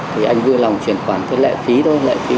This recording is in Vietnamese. thì anh vui lòng chuyển khoản tới lệ phí thôi